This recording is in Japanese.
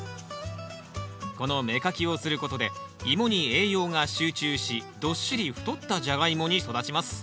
この芽かきをすることでイモに栄養が集中しどっしり太ったジャガイモに育ちます。